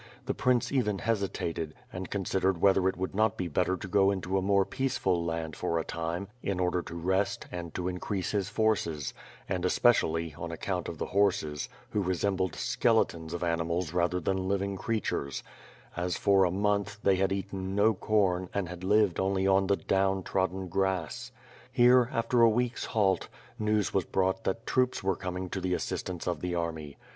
The prince even hesitated, and con sidered whether it would not be better to go into a more peaceful land for a time, in order to rest, and to increase his forces; and, especially, on account of the horses, who re sembled skeletons of animals rather than living creatures, as for a month, they had eaten no corn and had lived only on the down trodden grass. Here, after a week's halt, news was brought that troops were coming to the assistance of the army.